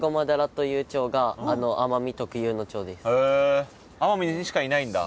この奄美にしかいないんだ？